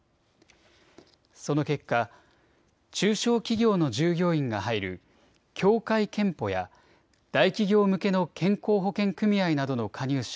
その結果、中小企業の従業員が入る協会けんぽや大企業向けの健康保険組合などの加入者